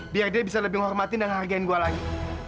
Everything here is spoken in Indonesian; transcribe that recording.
biar dia bisa lebih menghormati dan ngehargain gue lagi